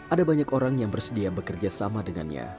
ada banyak orang yang bersedia bekerja sama dengannya